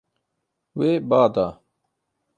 Wê ba da.